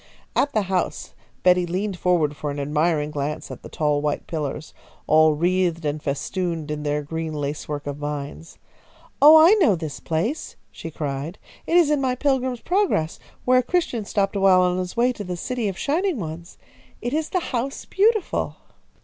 At the house Betty leaned forward for an admiring glance at the tall white pillars, all wreathed and festooned in their green lacework of vines. "Oh, I know this place," she cried. "It is in my Pilgrim's Progress, where Christian stopped awhile on his way to the City of the Shining Ones. It is the House Beautiful!"